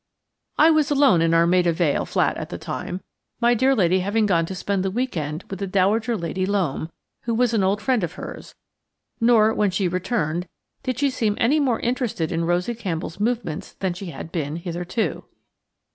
I was alone in our Maida Vale flat at the time, my dear lady having gone to spend the week end with the Dowager Lady Loam, who was an old friend of hers; nor, when she returned, did she seem any more interested in Rosie Campbell's movements than she had been hitherto.